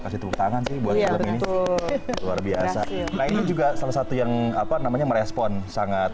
berhentung tangan sih bu ya betul luar biasa juga salah satu yang apa namanya merespon sangat